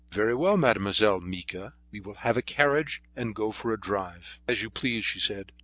"Very well, Mademoiselle Mica, we will have a carriage and go for a drive." "As you please," she said.